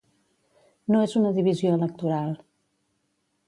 No és una divisió electoral.